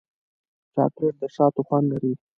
چاکلېټ د شاتو خوند لري.